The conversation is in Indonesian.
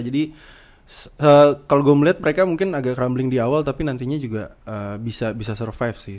jadi kalau gue ngeliat mereka mungkin agak crumbling di awal tapi nantinya juga bisa survive sih